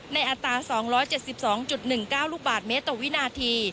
อัตรา๒๗๒๑๙ลูกบาทเมตรต่อวินาที